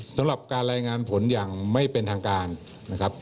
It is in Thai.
สำหรับการรายงานผลอย่างไม่เป็นทางการนะครับ